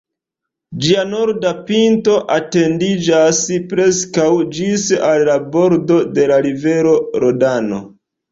Ĝia norda pinto etendiĝas preskaŭ ĝis al la bordo de la rivero Rodano.